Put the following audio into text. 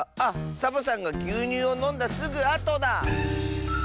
サボさんがぎゅうにゅうをのんだすぐあとだ。